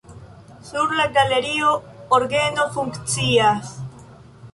Sur la galerio orgeno funkcias.